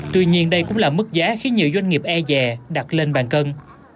tuy nhiên đây cũng là mức giá khiến nhiều doanh nghiệp e dè đặt lên bàn cân